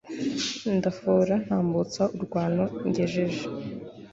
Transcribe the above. ndafora ntambutsa urwano ngejeje